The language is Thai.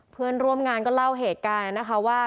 เพื่อนร่วมงานก็เล่าเหตุการณ์นะคะว่า